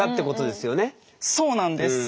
そうなんです。